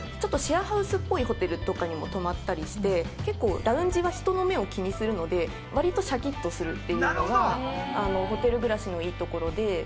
シェアハウスっぽいホテルとかにも泊まったりして結構ラウンジは人の目を気にするのでわりとシャキッとするっていうのがホテル暮らしのいいところで。